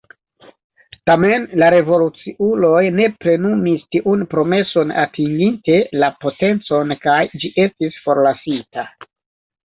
Tamen, la revoluciuloj ne plenumis tiun promeson atinginte la potencon kaj ĝi estis forlasita.